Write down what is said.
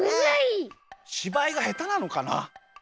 しばいがへたなのかな。